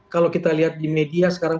kalau kita lihat di media sekarang